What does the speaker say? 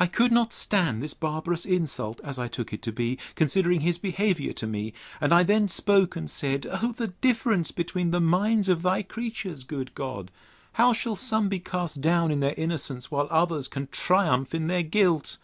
I could not stand this barbarous insult, as I took it to be, considering his behaviour to me; and I then spoke and said, O the difference between the minds of thy creatures, good God! How shall some be cast down in their innocence, while others can triumph in their guilt!